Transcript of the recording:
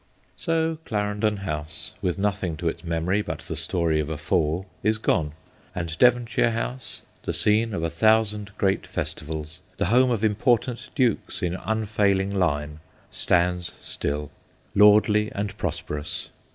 So Clarendon House, with nothing to its memory but the story of a fall, is gone ; and 40 THE GHOSTS OF PICCADILLY Devonshire House, the scene of a thousand great festivals, the home of important dukes in unfailing line, stands still, lordly and prosperous.